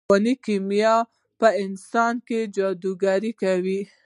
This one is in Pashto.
رواني کیمیا په انسان کې جادوګري کوي